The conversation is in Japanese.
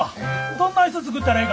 どんな椅子作ったらええか